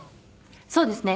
そうですね。